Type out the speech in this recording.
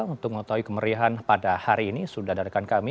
untuk mengetahui kemeriahan pada hari ini sudah dari kami